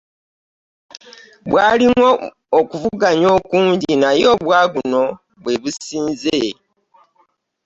Bwalimu okuvuganya okunji naye obw'aguno bwebusinze .